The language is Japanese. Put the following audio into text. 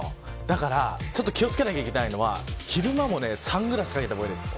気を付けないといけないのは昼間もサングラスをかけた方がいいです。